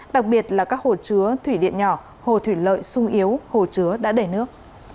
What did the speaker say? đặc biệt là các hồ chứa thủy điện nhỏ hồ thủy lợi sung yếu hồ chứa đã đầy nước